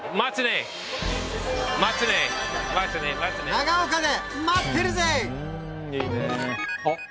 長岡で待ってるぜ！